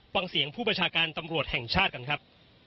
ผู้ประชาการตำรวจแห่งชาติกันครับ